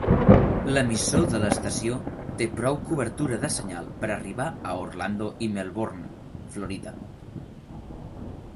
L'emissor de l'estació té prou cobertura de senyal per arribar a Orlando i Melbourne, Florida.